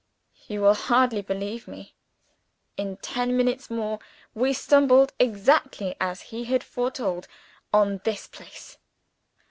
You will hardly believe me in ten minutes more, we stumbled, exactly as he had foretold, on this place.